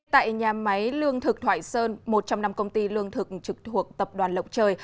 tại nhà máy lương thực thoại sơn một trong năm công ty lương thực trực thuộc tập đoàn lộc trời